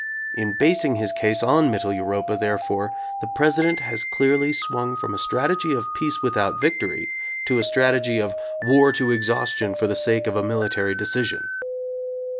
In basing his case on Mittel Europa, therefore, the President has clearly swung from a strategy of "peace without victory" to a strategy of "war to exhaustion for the sake of a military decision.